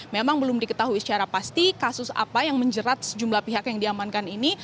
memang belum diketahui secara pasti kasus apa yang menjerat sejumlah pihak yang diamankan ini